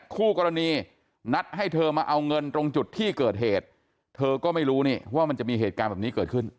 คู่กรณีนัดให้เธอมาเอาเงินตรงจุดที่เกิดเหตุเธอก็ไม่รู้นี่ว่ามันจะมีเหตุการณ์แบบนี้เกิดขึ้น